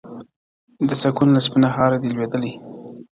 د سكون له سپينه هــاره دى لوېـدلى.